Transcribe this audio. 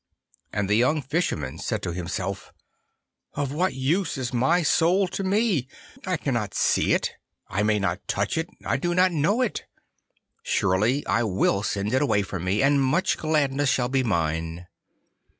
And the young Fisherman said to himself, 'Of what use is my soul to me? I cannot see it. I may not touch it. I do not know it. Surely I will send it away from me, and much gladness shall be mine.